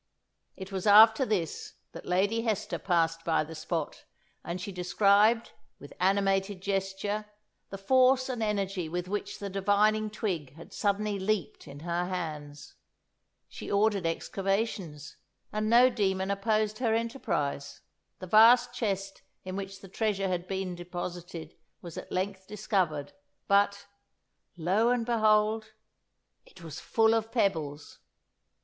It was after this that Lady Hester passed by the spot; and she described, with animated gesture, the force and energy with which the divining twig had suddenly leaped in her hands. She ordered excavations, and no demon opposed her enterprise. The vast chest in which the treasure had been deposited was at length discovered; but, lo and behold! it was full of pebbles!